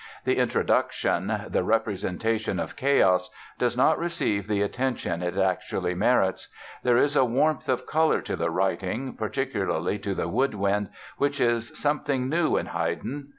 The introduction, the "Representation of Chaos", does not receive the attention it actually merits. There is a warmth of color to the writing, particularly to the woodwind, which is something new in Haydn.